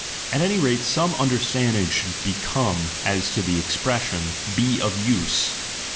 At any rate, some understanding should be come to as to the expres sion "be of use."